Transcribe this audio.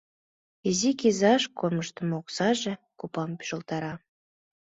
Изи кизаш кормыжтымо оксаже копам пӱжалтара.